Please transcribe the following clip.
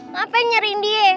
ngapain nyariin dia